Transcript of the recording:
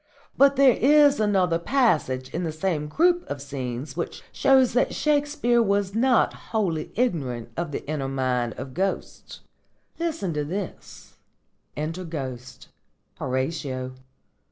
But there is another passage in the same group of scenes which shows that Shakespeare was not wholly ignorant of the inner mind of ghosts. Listen to this: 'Enter Ghost. _Horatio.